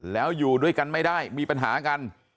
แล้วอยู่ด้วยกันไม่ได้มีปัญหากัน